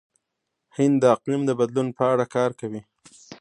هند د اقلیم د بدلون په اړه کار کوي.